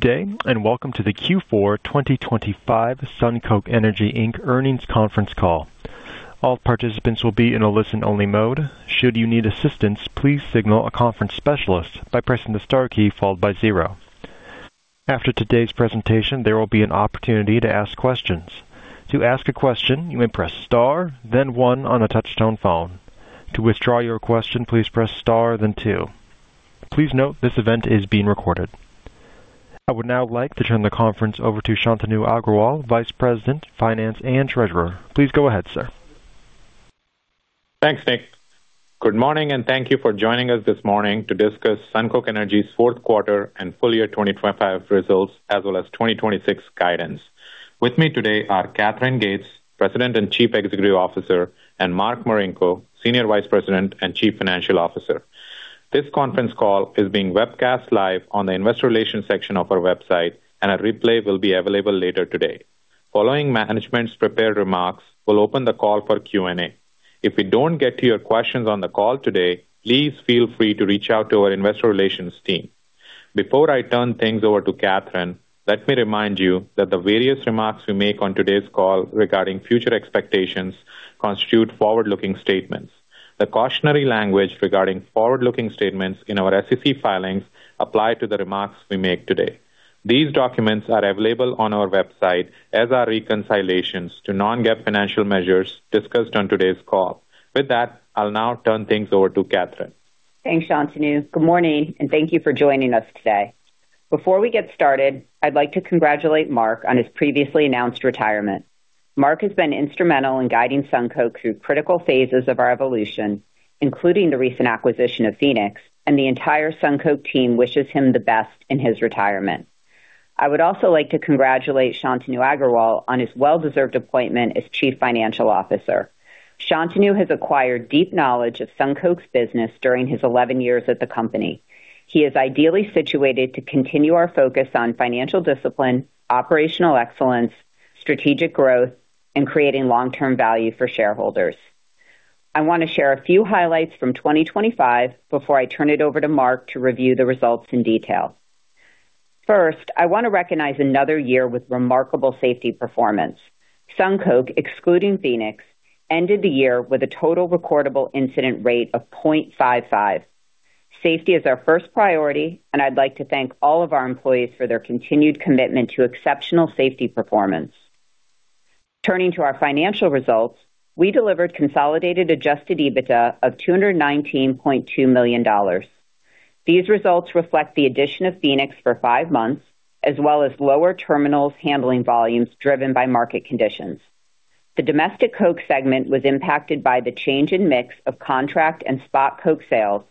Good day, and welcome to the Q4 2025 SunCoke Energy Inc. earnings conference call. All participants will be in a listen-only mode. Should you need assistance, please signal a conference specialist by pressing the star key followed by zero. After today's presentation, there will be an opportunity to ask questions. To ask a question, you may press star, then one on a touch-tone phone. To withdraw your question, please press star, then two. Please note, this event is being recorded. I would now like to turn the conference over to Shantanu Agrawal, Vice President, Finance and Treasurer. Please go ahead, sir. Thanks, Nick. Good morning, and thank you for joining us this morning to discuss SunCoke Energy's fourth quarter and full year 2025 results, as well as 2026 guidance. With me today are Katherine Gates, President and Chief Executive Officer, and Mark Marinko, Senior Vice President and Chief Financial Officer. This conference call is being webcast live on the investor relations section of our website, and a replay will be available later today. Following management's prepared remarks, we'll open the call for Q&A. If we don't get to your questions on the call today, please feel free to reach out to our investor relations team. Before I turn things over to Katherine, let me remind you that the various remarks we make on today's call regarding future expectations constitute forward-looking statements. The cautionary language regarding forward-looking statements in our SEC filings apply to the remarks we make today. These documents are available on our website as are reconciliations to non-GAAP financial measures discussed on today's call. With that, I'll now turn things over to Katherine. Thanks, Shantanu. Good morning, and thank you for joining us today. Before we get started, I'd like to congratulate Mark on his previously announced retirement. Mark has been instrumental in guiding SunCoke through critical phases of our evolution, including the recent acquisition of Phoenix, and the entire SunCoke team wishes him the best in his retirement. I would also like to congratulate Shantanu Agrawal on his well-deserved appointment as Chief Financial Officer. Shantanu has acquired deep knowledge of SunCoke's business during his 11 years at the company. He is ideally situated to continue our focus on financial discipline, operational excellence, strategic growth, and creating long-term value for shareholders. I want to share a few highlights from 2025 before I turn it over to Mark to review the results in detail. First, I want to recognize another year with remarkable safety performance. SunCoke, excluding Phoenix, ended the year with a total recordable incident rate of 0.55. Safety is our first priority, and I'd like to thank all of our employees for their continued commitment to exceptional safety performance. Turning to our financial results, we delivered consolidated adjusted EBITDAs of $219.2 million. These results reflect the addition of Phoenix for five months, as well as lower terminals handling volumes driven by market conditions. The domestic coke segment was impacted by the change in mix of contract and spot coke sales,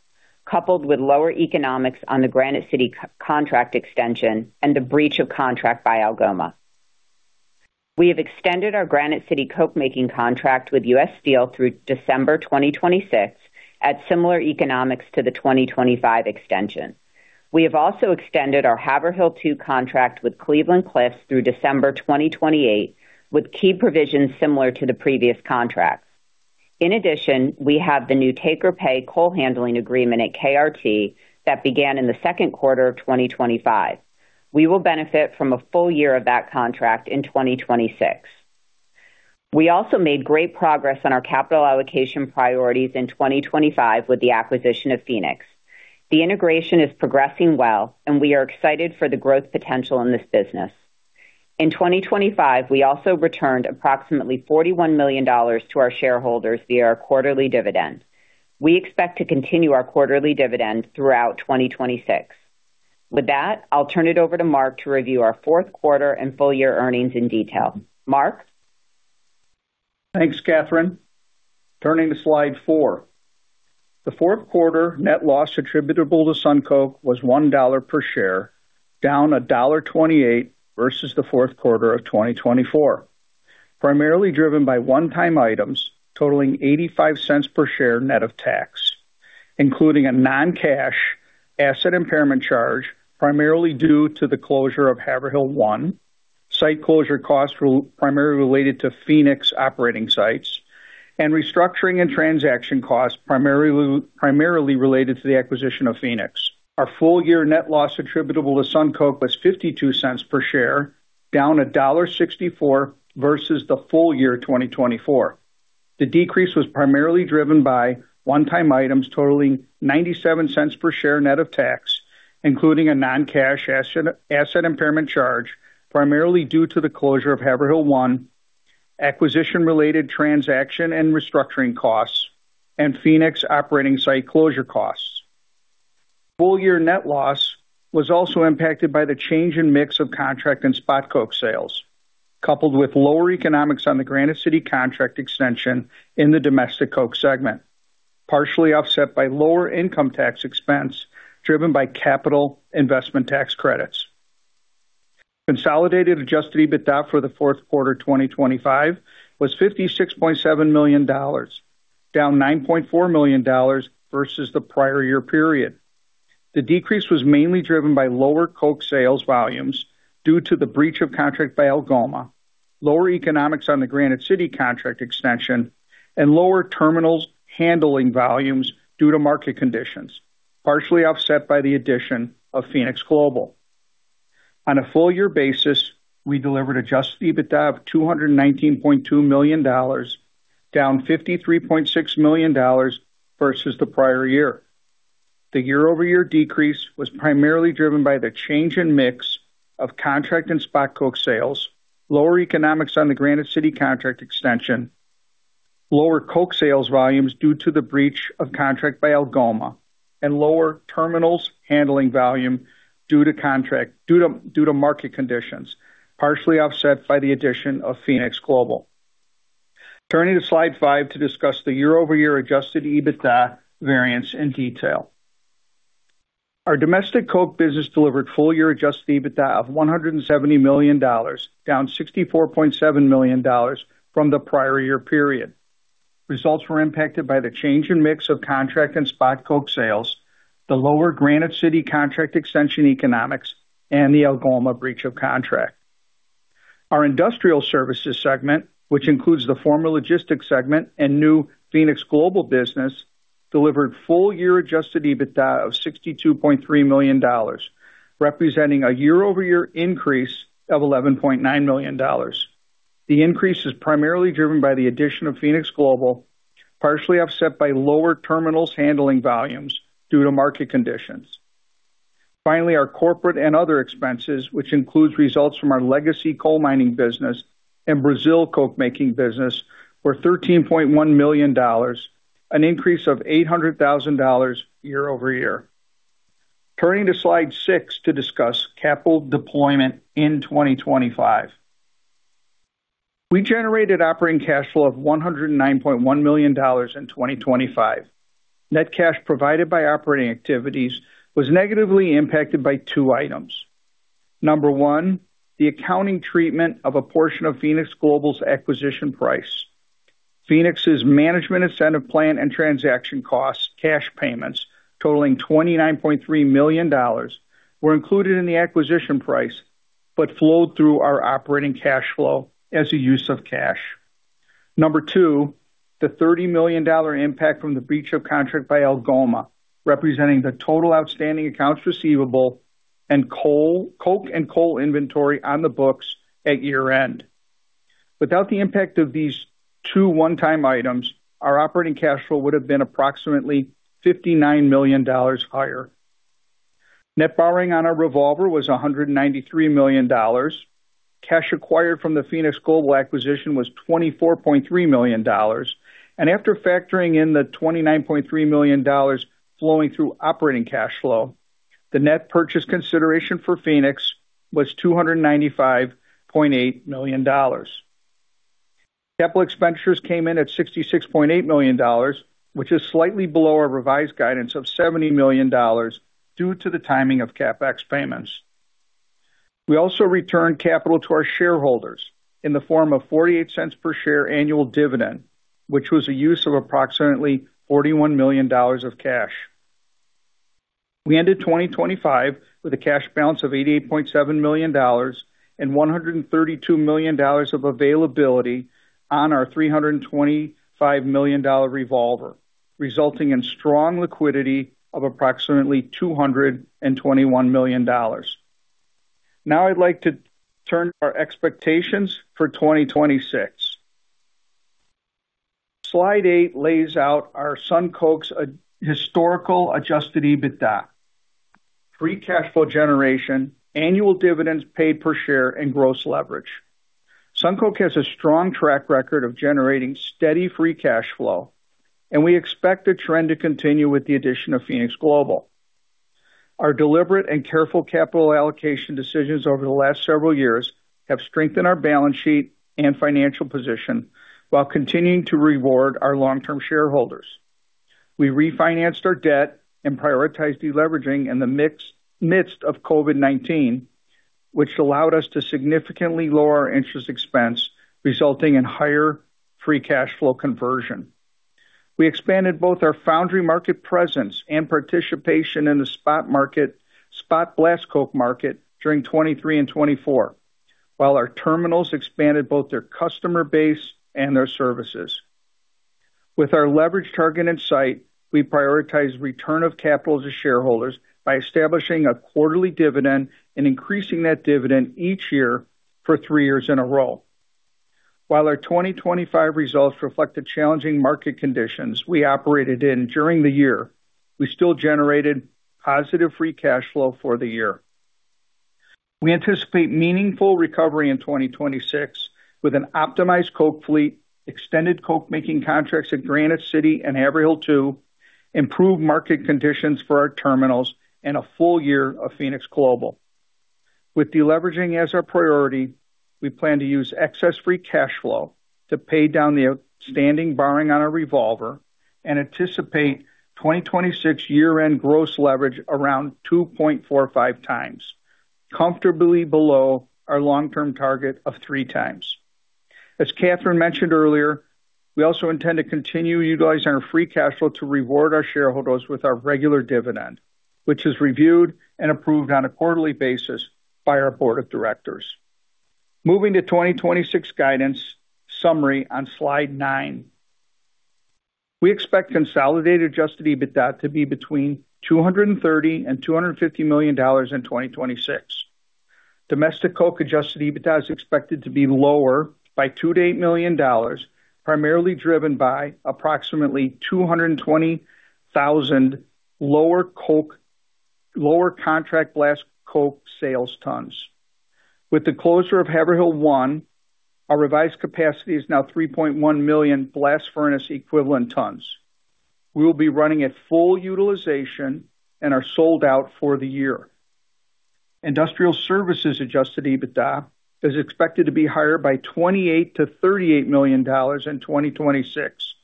coupled with lower economics on the Granite City coke contract extension and the breach of contract by Algoma. We have extended our Granite City coke making contract with U.S. Steel through December 2026 at similar economics to the 2025 extension. We have also extended our Haverhill Two contract with Cleveland-Cliffs through December 2028, with key provisions similar to the previous contract. In addition, we have the new take-or-pay coal handling agreement at KRT that began in the second quarter of 2025. We will benefit from a full year of that contract in 2026. We also made great progress on our capital allocation priorities in 2025 with the acquisition of Phoenix. The integration is progressing well, and we are excited for the growth potential in this business. In 2025, we also returned approximately $41 million to our shareholders via our quarterly dividend. We expect to continue our quarterly dividend throughout 2026. With that, I'll turn it over to Mark to review our fourth quarter and full year earnings in detail. Mark? Thanks, Katherine. Turning to slide 4. The fourth quarter net loss attributable to SunCoke was $1 per share, down $1.28 versus the fourth quarter of 2024, primarily driven by one-time items totaling $0.85 per share net of tax, including a non-cash asset impairment charge, primarily due to the closure of Haverhill One, site closure costs primarily related to Phoenix operating sites, and restructuring and transaction costs, primarily related to the acquisition of Phoenix. Our full year net loss attributable to SunCoke was $0.52 per share, down $1.64 versus the full year 2024. The decrease was primarily driven by one-time items totaling $0.97 per share net of tax, including a non-cash asset impairment charge, primarily due to the closure of Haverhill One, acquisition-related transaction and restructuring costs, and Phoenix operating site closure costs. Full year net loss was also impacted by the change in mix of contract and spot coke sales, coupled with lower economics on the Granite City contract extension in the domestic coke segment, partially offset by lower income tax expense, driven by capital investment tax credits. Consolidated Adjusted EBITDAs for the fourth quarter 2025 was $56.7 million, down $9.4 million versus the prior year period. The decrease was mainly driven by lower coke sales volumes due to the breach of contract by Algoma, lower economics on the Granite City contract extension, and lower terminals handling volumes due to market conditions, partially offset by the addition of Phoenix Global. On a full year basis, we delivered Adjusted EBITDAs of $219.2 million, down $53.6 million versus the prior year. The year-over-year decrease was primarily driven by the change in mix of contract and spot coke sales, lower economics on the Granite City contract extension, lower coke sales volumes due to the breach of contract by Algoma, and lower terminals handling volume due to market conditions, partially offset by the addition of Phoenix Global. Turning to slide 5 to discuss the year-over-year Adjusted EBITDAs variance in detail. Our domestic coke business delivered full-year Adjusted EBITDAs of $170 million, down $64.7 million from the prior year period. Results were impacted by the change in mix of contract and spot coke sales, the lower Granite City contract extension economics, and the Algoma breach of contract. Our industrial services segment, which includes the former logistics segment and new Phoenix Global business, delivered full-year Adjusted EBITDAs of $62.3 million, representing a year-over-year increase of $11.9 million. The increase is primarily driven by the addition of Phoenix Global, partially offset by lower terminals handling volumes due to market conditions. Finally, our corporate and other expenses, which includes results from our legacy coal mining business and Brazil coke-making business, were $13.1 million, an increase of $800,000 year over year. Turning to slide 6 to discuss capital deployment in 2025. We generated operating cash flow of $109.1 million in 2025. Net cash provided by operating activities was negatively impacted by two items. Number 1, the accounting treatment of a portion of Phoenix Global's acquisition price. Global's management incentive plan and transaction costs cash payments totaling $29.3 million were included in the acquisition price, but flowed through our operating cash flow as a use of cash. Number two, the $30 million impact from the breach of contract by Algoma, representing the total outstanding accounts receivable and coke and coal inventory on the books at year-end. Without the impact of these two one-time items, our operating cash flow would have been approximately $59 million higher. Net borrowing on our revolver was $193 million. Cash acquired from the Phoenix Global acquisition was $24.3 million, and after factoring in the $29.3 million flowing through operating cash flow, the net purchase consideration for Phoenix Global was $295.8 million. Capital expenditures came in at $66.8 million, which is slightly below our revised guidance of $70 million due to the timing of CapEx payments. We also returned capital to our shareholders in the form of $0.48 per share annual dividend, which was a use of approximately $41 million of cash. We ended 2025 with a cash balance of $88.7 million and $132 million of availability on our $325 million revolver, resulting in strong liquidity of approximately $221 million. Now, I'd like to turn to our expectations for 2026. Slide 8 lays out SunCoke's historical Adjusted EBITDAs, free cash flow generation, annual dividends paid per share, and gross leverage. SunCoke has a strong track record of generating steady free cash flow, and we expect the trend to continue with the addition of Phoenix Global. Our deliberate and careful capital allocation decisions over the last several years have strengthened our balance sheet and financial position while continuing to reward our long-term shareholders. We refinanced our debt and prioritized deleveraging in the midst of COVID-19, which allowed us to significantly lower our interest expense, resulting in higher free cash flow conversion. We expanded both our foundry market presence and participation in the spot market, spot blast coke market during 2023 and 2024, while our terminals expanded both their customer base and their services. With our leverage target in sight, we prioritize return of capital to shareholders by establishing a quarterly dividend and increasing that dividend each year for three years in a row. While our 2025 results reflect the challenging market conditions we operated in during the year, we still generated positive free cash flow for the year. We anticipate meaningful recovery in 2026 with an optimized coke fleet, extended coke making contracts at Granite City and Haverhill Two, improved market conditions for our terminals, and a full year of Phoenix Global. With deleveraging as our priority, we plan to use excess free cash flow to pay down the outstanding borrowing on our revolver and anticipate 2026 year-end gross leverage around 2.45x, comfortably below our long-term target of 3x. As Katherine mentioned earlier, we also intend to continue utilizing our free cash flow to reward our shareholders with our regular dividend, which is reviewed and approved on a quarterly basis by our board of directors. Moving to 2026 guidance summary on slide 9. We expect consolidated adjusted EBITDA to be between $230 million and $250 million in 2026. Domestic coke adjusted EBITDA is expected to be lower by $2 million-$8 million, primarily driven by approximately 220,000 lower contract blast coke sales tons. With the closure of Haverhill One, our revised capacity is now 3.1 million blast furnace equivalent tons. We will be running at full utilization and are sold out for the year. Industrial services adjusted EBITDA is expected to be higher by $28 million-$38 million in 2026,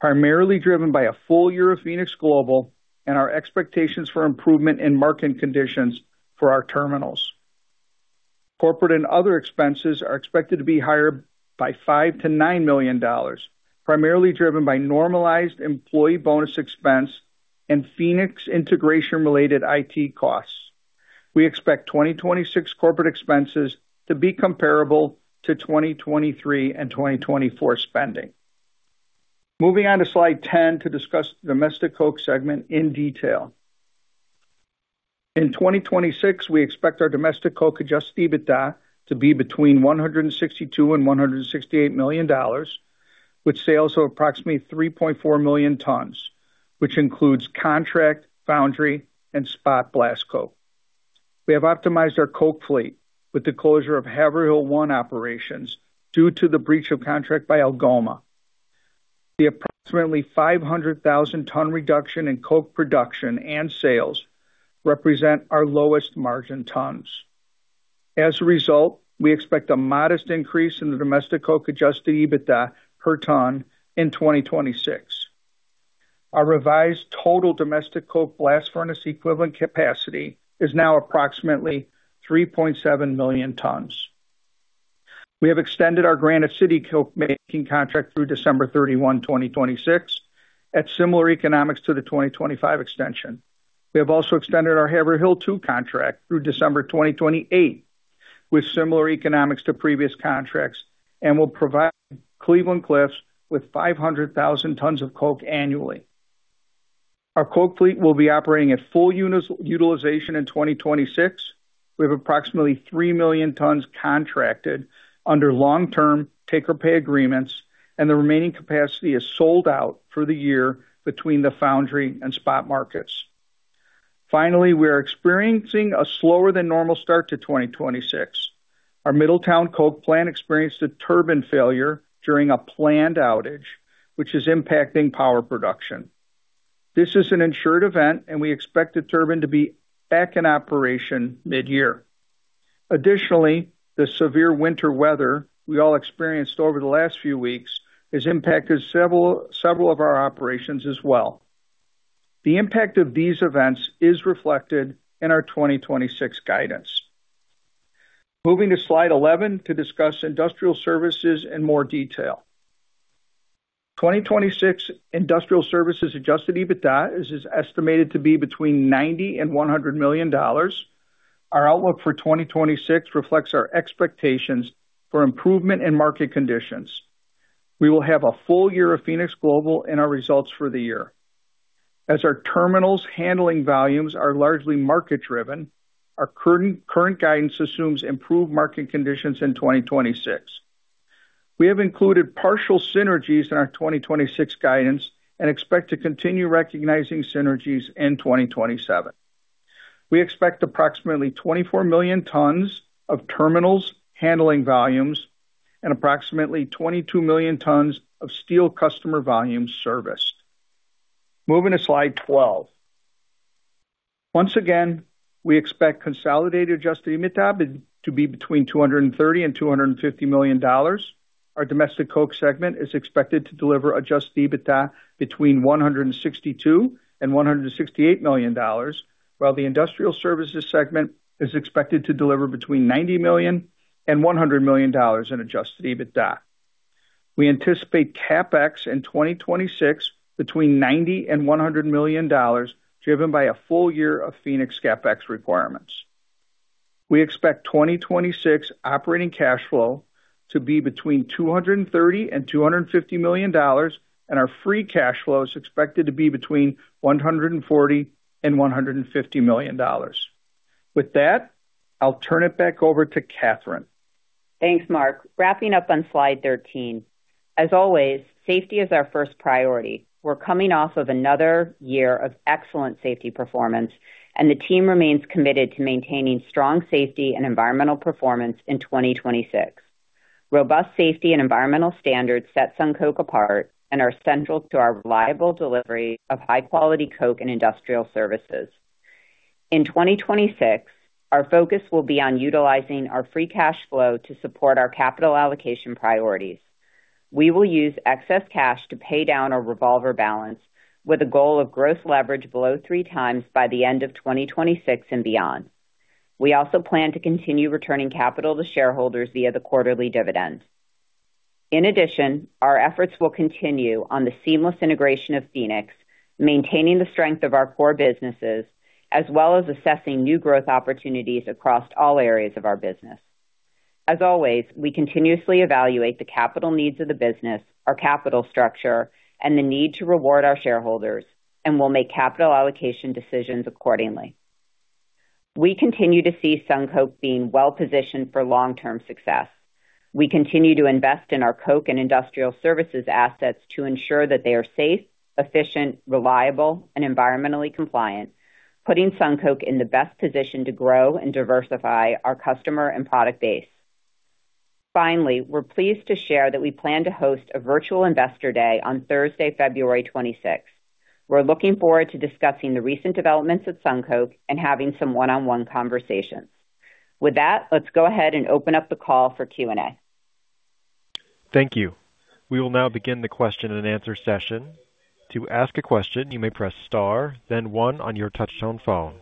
primarily driven by a full year of Phoenix Global and our expectations for improvement in market conditions for our terminals. Corporate and other expenses are expected to be higher by $5 million-$9 million, primarily driven by normalized employee bonus expense and Phoenix integration-related IT costs. We expect 2026 corporate expenses to be comparable to 2023 and 2024 spending. Moving on to slide 10 to discuss domestic coke segment in detail. In 2026, we expect our domestic coke Adjusted EBITDA to be between $162 million and $168 million, with sales of approximately 3.4 million tons, which includes contract, foundry, and spot blast coke. We have optimized our coke fleet with the closure of Haverhill One operations due to the breach of contract by Algoma. The approximately 500,000-ton reduction in coke production and sales represent our lowest margin tons. As a result, we expect a modest increase in the domestic coke adjusted EBITDA per ton in 2026. Our revised total domestic coke blast furnace equivalent capacity is now approximately 3.7 million tons. We have extended our Granite City coke-making contract through December 31, 2026, at similar economics to the 2025 extension. We have also extended our Haverhill Two contract through December 2028, with similar economics to previous contracts, and will provide Cleveland-Cliffs with 500,000 tons of coke annually. Our coke fleet will be operating at full utilization in 2026. We have approximately 3 million tons contracted under long-term take-or-pay agreements, and the remaining capacity is sold out for the year between the foundry and spot markets. Finally, we are experiencing a slower than normal start to 2026. Our Middletown coke plant experienced a turbine failure during a planned outage, which is impacting power production. This is an insured event, and we expect the turbine to be back in operation mid-year. Additionally, the severe winter weather we all experienced over the last few weeks has impacted several of our operations as well. The impact of these events is reflected in our 2026 guidance. Moving to slide 11 to discuss industrial services in more detail. 2026 industrial services adjusted EBITDA is estimated to be between $90 million and $100 million. Our outlook for 2026 reflects our expectations for improvement in market conditions. We will have a full year of Phoenix Global in our results for the year. As our terminals handling volumes are largely market-driven, our current guidance assumes improved market conditions in 2026. We have included partial synergies in our 2026 guidance and expect to continue recognizing synergies in 2027. We expect approximately 24 million tons of terminals handling volumes and approximately 22 million tons of steel customer volumes serviced. Moving to slide 12. Once again, we expect consolidated adjusted EBITDA to be between $230 million and $250 million. Our domestic coke segment is expected to deliver adjusted EBITDA between $162 million and $168 million, while the industrial services segment is expected to deliver between $90 million and $100 million in adjusted EBITDA. We anticipate CapEx in 2026 between $90 million and $100 million, driven by a full year of Phoenix CapEx requirements. We expect 2026 operating cash flow to be between $230 million and $250 million, and our free cash flow is expected to be between $140 million and $150 million. With that, I'll turn it back over to Katherine. Thanks, Mark. Wrapping up on slide 13. As always, safety is our first priority. We're coming off of another year of excellent safety performance, and the team remains committed to maintaining strong safety and environmental performance in 2026. Robust safety and environmental standards set SunCoke apart and are central to our reliable delivery of high-quality coke and industrial services. In 2026, our focus will be on utilizing our free cash flow to support our capital allocation priorities.... We will use excess cash to pay down our revolver balance, with a goal of gross leverage below 3x by the end of 2026 and beyond. We also plan to continue returning capital to shareholders via the quarterly dividends. In addition, our efforts will continue on the seamless integration of Phoenix, maintaining the strength of our core businesses, as well as assessing new growth opportunities across all areas of our business. As always, we continuously evaluate the capital needs of the business, our capital structure, and the need to reward our shareholders, and we'll make capital allocation decisions accordingly. We continue to see SunCoke being well positioned for long-term success. We continue to invest in our coke and industrial services assets to ensure that they are safe, efficient, reliable, and environmentally compliant, putting SunCoke in the best position to grow and diversify our customer and product base. Finally, we're pleased to share that we plan to host a virtual Investor Day on Thursday, February 26th. We're looking forward to discussing the recent developments at SunCoke and having some one-on-one conversations. With that, let's go ahead and open up the call for Q&A. Thank you. We will now begin the question-and-answer session. To ask a question, you may press star, then one on your touchtone phone.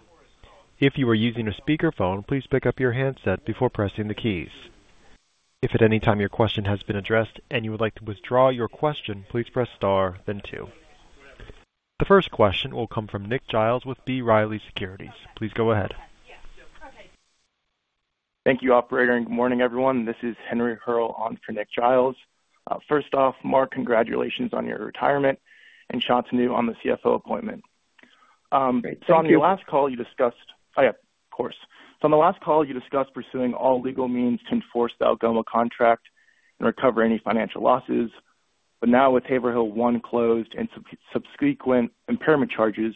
If you are using a speakerphone, please pick up your handset before pressing the keys. If at any time your question has been addressed and you would like to withdraw your question, please press star then two. The first question will come from Nick Giles with B. Riley Securities. Please go ahead. Thank you, operator, and good morning, everyone. This is Henry Hearl on for Nick Giles. First off, Mark, congratulations on your retirement, and Shantanu on the CFO appointment. Thank you. So on your last call, you discussed... Oh, yeah, of course. So on the last call, you discussed pursuing all legal means to enforce the Algoma contract and recover any financial losses. But now with Haverhill One closed and subsequent impairment charges,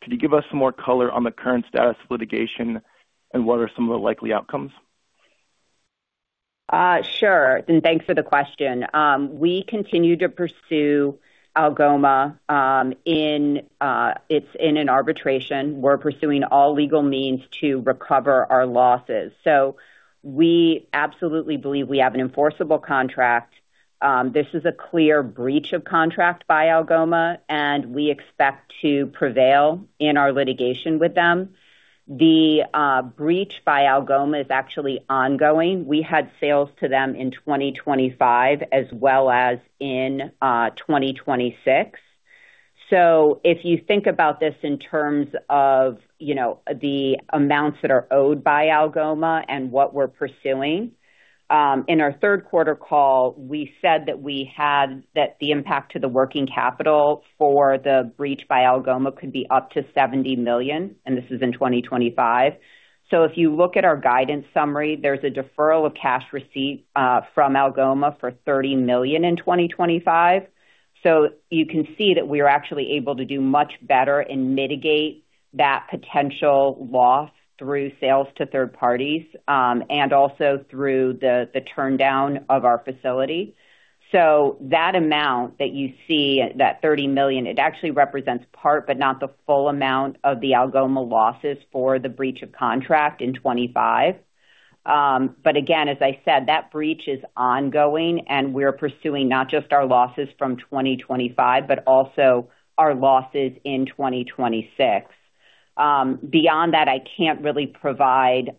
could you give us some more color on the current status of litigation and what are some of the likely outcomes? Sure, and thanks for the question. We continue to pursue Algoma in an arbitration. We're pursuing all legal means to recover our losses. So we absolutely believe we have an enforceable contract. This is a clear breach of contract by Algoma, and we expect to prevail in our litigation with them. The breach by Algoma is actually ongoing. We had sales to them in 2025 as well as in 2026. So if you think about this in terms of, you know, the amounts that are owed by Algoma and what we're pursuing, in our third quarter call, we said that the impact to the working capital for the breach by Algoma could be up to $70 million, and this is in 2025. So if you look at our guidance summary, there's a deferral of cash receipt from Algoma for $30 million in 2025. So you can see that we are actually able to do much better and mitigate that potential loss through sales to third parties, and also through the turndown of our facility. So that amount that you see, that $30 million, it actually represents part, but not the full amount of the Algoma losses for the breach of contract in 2025. But again, as I said, that breach is ongoing, and we're pursuing not just our losses from 2025, but also our losses in 2026. Beyond that, I can't really provide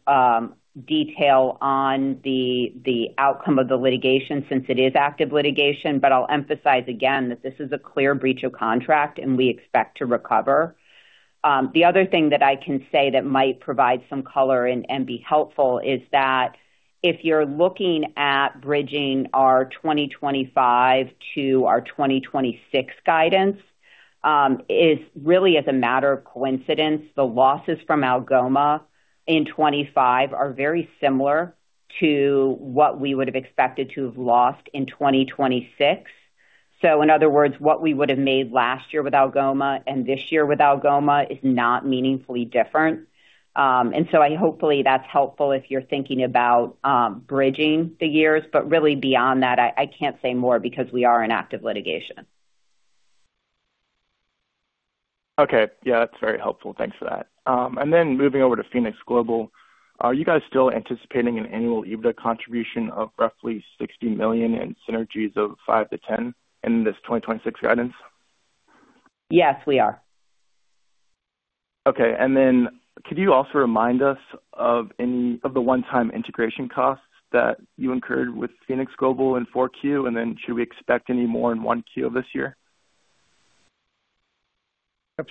detail on the outcome of the litigation, since it is active litigation. But I'll emphasize again that this is a clear breach of contract, and we expect to recover. The other thing that I can say that might provide some color and be helpful is that if you're looking at bridging our 2025 to our 2026 guidance, it's really as a matter of coincidence, the losses from Algoma in 2025 are very similar to what we would have expected to have lost in 2026. So in other words, what we would have made last year with Algoma and this year with Algoma is not meaningfully different. And so I hopefully that's helpful if you're thinking about bridging the years. But really beyond that, I can't say more because we are in active litigation. Okay. Yeah, that's very helpful. Thanks for that. And then moving over to Phoenix Global, are you guys still anticipating an annual EBITDA contribution of roughly $60 million and synergies of $5 million-$10 million in this 2026 guidance? Yes, we are. Okay. And then could you also remind us of any of the one-time integration costs that you incurred with Phoenix Global in 4Q? And then should we expect any more in 1Q this year?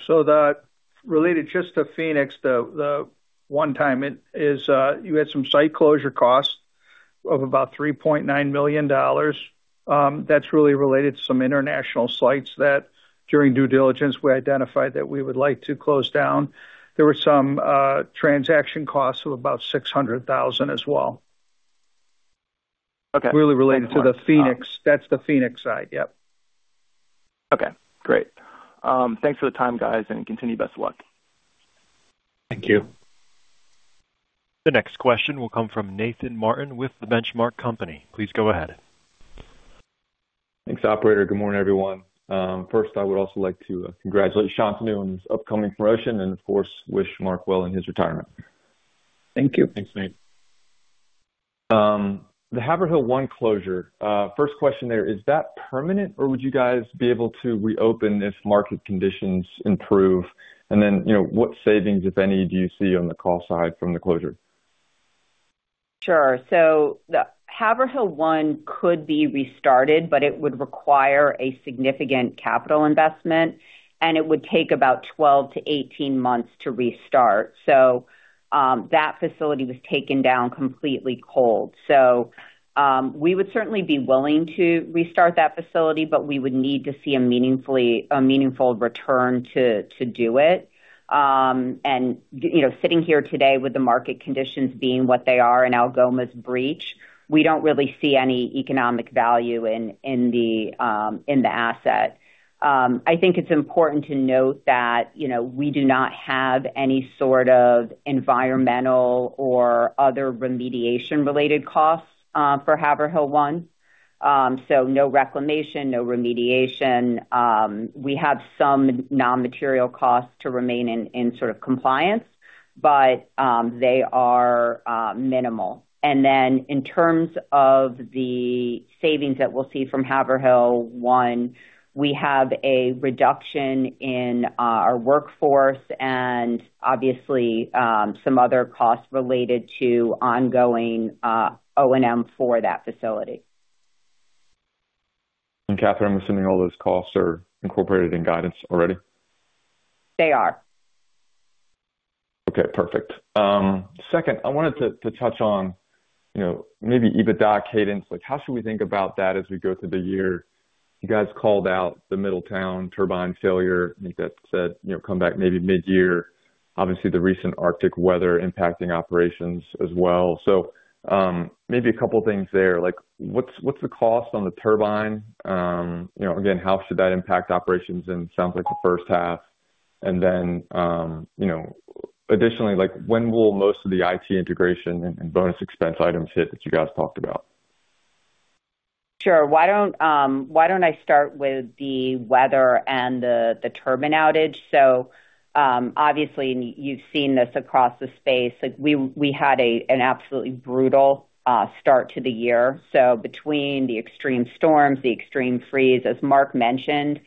So, they're related just to Phoenix, the one-time items, you had some site closure costs of about $3.9 million. That's really related to some international sites that during due diligence, we identified that we would like to close down. There were some transaction costs of about $600,000 as well. Okay. Really related to the Phoenix. That's the Phoenix side. Yep. Okay, great. Thanks for the time, guys, and continued best luck. Thank you. The next question will come from Nathan Martin with The Benchmark Company. Please go ahead. Thanks, operator. Good morning, everyone. First, I would also like to congratulate Shantanu on his upcoming promotion and of course, wish Mark well in his retirement.... Thank you. Thanks, Nate. The Haverhill One closure, first question there, is that permanent, or would you guys be able to reopen if market conditions improve? And then, you know, what savings, if any, do you see on the call side from the closure? Sure. So the Haverhill One could be restarted, but it would require a significant capital investment, and it would take about 12-18 months to restart. So, that facility was taken down completely cold. So, we would certainly be willing to restart that facility, but we would need to see a meaningful return to do it. And, you know, sitting here today with the market conditions being what they are in Algoma's breach, we don't really see any economic value in the asset. I think it's important to note that, you know, we do not have any sort of environmental or other remediation-related costs for Haverhill One. So no reclamation, no remediation. We have some non-material costs to remain in sort of compliance, but they are minimal. Then in terms of the savings that we'll see from Haverhill One, we have a reduction in our workforce and obviously some other costs related to ongoing O&M for that facility. Katherine, I'm assuming all those costs are incorporated in guidance already? They are. Okay, perfect. Second, I wanted to touch on, you know, maybe EBITDA cadence. Like, how should we think about that as we go through the year? You guys called out the Middletown turbine failure. I think that said, you know, come back maybe mid-year. Obviously, the recent Arctic weather impacting operations as well. So, maybe a couple of things there. Like, what's the cost on the turbine? You know, again, how should that impact operations and sounds like the first half? And then, you know, additionally, like, when will most of the IT integration and bonus expense items hit that you guys talked about? Sure. Why don't I start with the weather and the turbine outage? So, obviously, you've seen this across the space. Like, we had an absolutely brutal start to the year. So between the extreme storms, the extreme freeze, as Mark mentioned,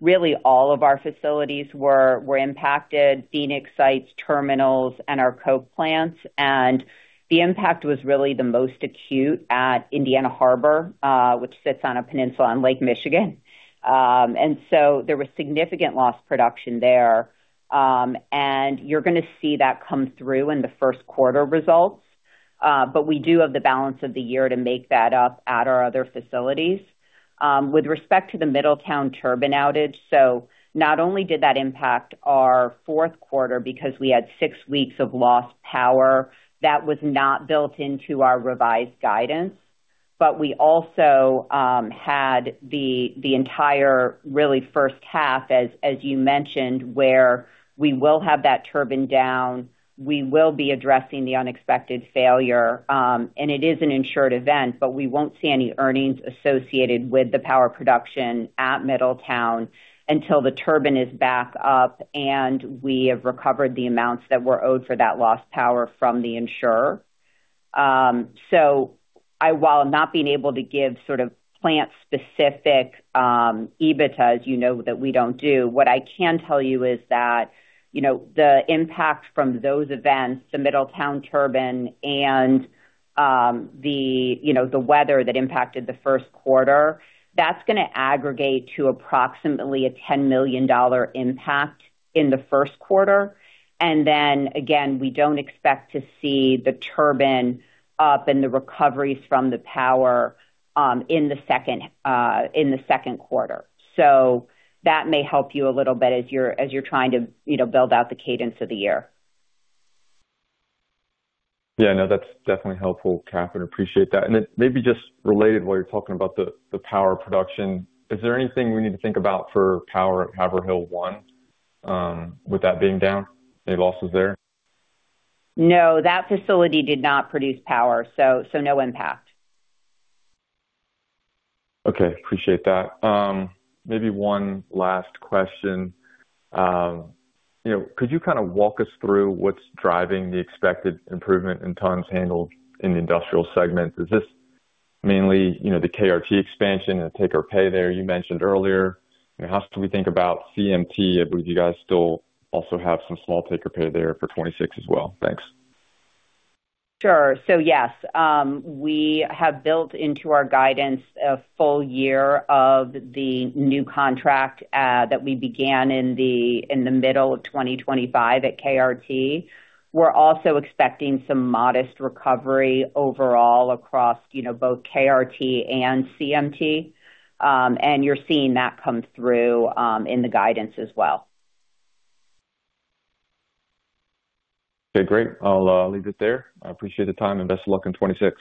really all of our facilities were impacted, Phoenix sites, terminals, and our coke plants. And the impact was really the most acute at Indiana Harbor, which sits on a peninsula on Lake Michigan. And so there was significant loss production there. And you're gonna see that come through in the first quarter results, but we do have the balance of the year to make that up at our other facilities. With respect to the Middletown turbine outage, so not only did that impact our fourth quarter because we had six weeks of lost power, that was not built into our revised guidance, but we also had the entire really first half, as you mentioned, where we will have that turbine down. We will be addressing the unexpected failure, and it is an insured event, but we won't see any earnings associated with the power production at Middletown until the turbine is back up, and we have recovered the amounts that were owed for that lost power from the insurer. So, while not being able to give sort of plant-specific EBITDA's, you know, that we don't do, what I can tell you is that, you know, the impact from those events, the Middletown turbine and, you know, the weather that impacted the first quarter, that's gonna aggregate to approximately a $10 million impact in the first quarter. And then again, we don't expect to see the turbine up and the recoveries from the power in the second quarter. So that may help you a little bit as you're trying to, you know, build out the cadence of the year. Yeah, no, that's definitely helpful, Katherine. Appreciate that. And then maybe just related, while you're talking about the power production, is there anything we need to think about for power at Haverhill One, with that being down? Any losses there? No, that facility did not produce power, so no impact. Okay, appreciate that. Maybe one last question. You know, could you kind of walk us through what's driving the expected improvement in tons handled in the industrial segment? Is this mainly, you know, the KRT expansion and take or pay there, you mentioned earlier? And how can we think about CMT? I believe you guys still also have some small take or pay there for 2026 as well. Thanks. Sure. So yes, we have built into our guidance a full year of the new contract that we began in the middle of 2025 at KRT. We're also expecting some modest recovery overall across, you know, both KRT and CMT. And you're seeing that come through in the guidance as well. Okay, great. I'll leave it there. I appreciate the time and best of luck in 2026.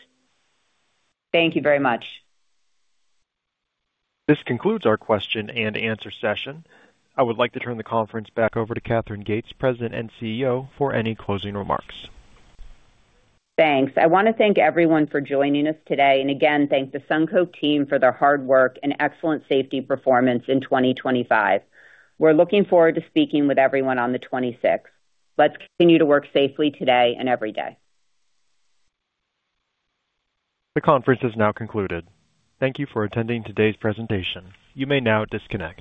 Thank you very much. This concludes our question and answer session. I would like to turn the conference back over to Katherine Gates, President and CEO, for any closing remarks. Thanks. I want to thank everyone for joining us today, and again, thank the SunCoke team for their hard work and excellent safety performance in 2025. We're looking forward to speaking with everyone on the 26th. Let's continue to work safely today and every day. The conference is now concluded. Thank you for attending today's presentation. You may now disconnect.